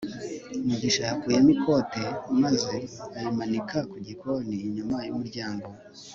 mugisha yakuyemo ikote maze ayimanika ku gikoni inyuma y'umuryango